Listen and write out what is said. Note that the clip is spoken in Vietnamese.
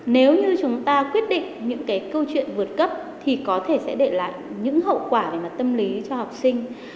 nếu như chúng ta quyết định những cái câu chuyện vượt cấp thì có thể sẽ để lại những hậu quả về mặt tâm lý cho học sinh